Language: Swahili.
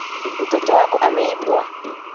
Mtoto wako ameibwa.